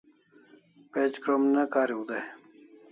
Page krom ne kariu dai